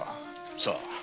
さあ？